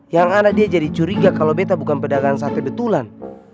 yang anak dia jadi curiga kalau beta bukan pedagang sate betulan